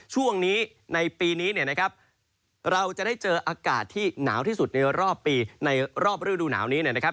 ช่วงนี้ในปีนี้เนี่ยนะครับเราจะได้เจออากาศที่หนาวที่สุดในรอบปีในรอบฤดูหนาวนี้นะครับ